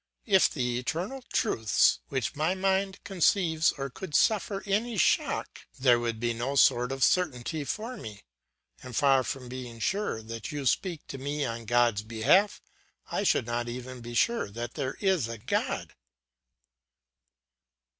If the eternal truths which my mind conceives of could suffer any shock, there would be no sort of certainty for me; and far from being sure that you speak to me on God's behalf, I should not even be sure that there is a God.